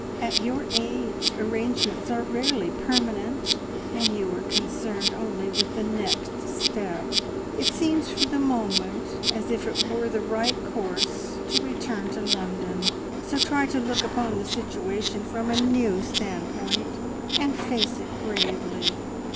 At your age arrangements are rarely `permanent,' and you are concerned only with the next step. It seems for the moment as if it were the right course to return to London, so try to look upon the situation from a new standpoint, and face it bravely.